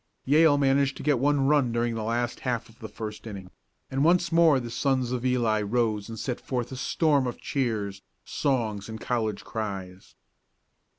Yale managed to get one run during the last half of the first inning, and once more the sons of Eli arose and sent forth a storm of cheers, songs and college cries.